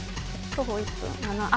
徒歩１分で。